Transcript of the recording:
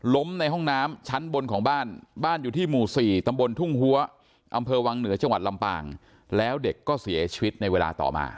ในห้องน้ำชั้นบนของบ้านบ้านอยู่ที่หมู่๔ตำบลทุ่งหัวอำเภอวังเหนือจังหวัดลำปางแล้วเด็กก็เสียชีวิตในเวลาต่อมา